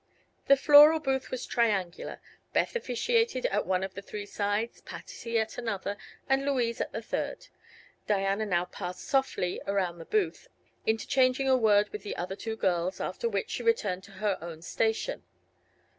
The floral booth was triangular, Beth officiated at one of the three sides, Patsy at another, and Louise at the third. Diana now passed softly around the booth, interchanging a word with the other two girls, after which she returned to her own station.